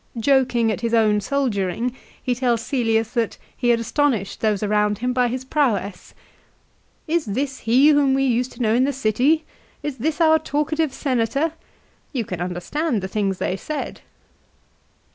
Joking at his own soldiering, he tells Cselius that he had astonished those around him by his prowess. " Is this he whom we used to know in the city ? Is this our talkative Senator ? You can understand the things they said."